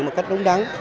một cách đúng đắn